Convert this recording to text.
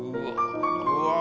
うわ。